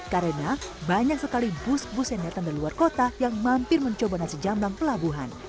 karena banyak sekali bus bus yang datang dari luar kota yang mampir mencoba nasi jamblang pelabuhan